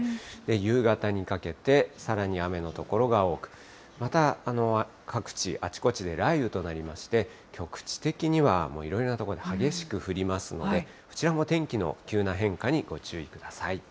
夕方にかけてさらに雨の所が多く、また各地、あちこちで雷雨となりまして、局地的にはもういろいろな所で激しく降りますので、こちらも天気の急な変化にご注意ください。